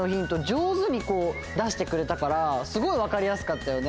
じょうずに出してくれたからすごいわかりやすかったよね。